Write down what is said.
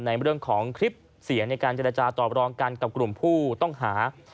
ในเรื่องของคลิปเสียงในการเจรจาตอบรองกันกับกลุ่มผู้ต้องหา